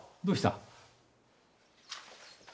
どうした？